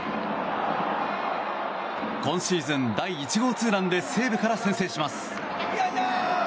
今シーズン第１号ツーランで西武から先制します。